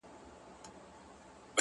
• ستا تر پوهي مي خپل نیم عقل په کار دی,